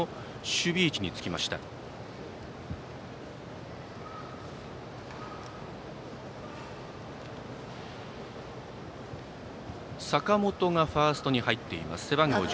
背番号１４番の坂本がファーストに入っています。